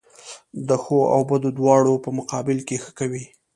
د ښو او بدو دواړو په مقابل کښي ښه کوئ!